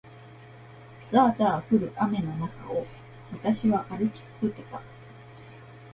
ざあざあ降る雨の中を、私は歩き続けた。